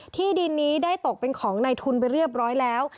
ที่ดินนี้ได้ตกเป็นของในทุนไปเรียบร้อยแล้ว